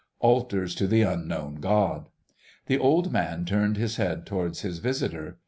Altars to the unknown God! The old man turned his head towards his visitor.